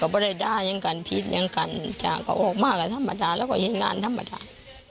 ไม่ได้ด้ายังกันผิดยังกันจากเขาออกมาก็ธรรมดาแล้วก็เห็นงานธรรมดา